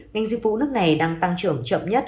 ngành dịch vụ nước này đang tăng trưởng chậm nhất